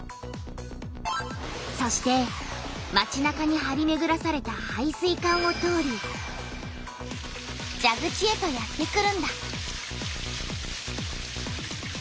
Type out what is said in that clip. そしてまちなかにはりめぐらされた配水管を通りじゃぐちへとやってくるんだ。